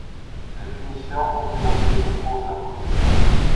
Les finitions ont évolué au cours de la production.